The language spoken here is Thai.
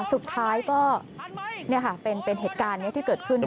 สุดท้ายก็เนี่ยค่ะเป็นเป็นเหตุการณ์เนี่ยที่เกิดขึ้นนะครับ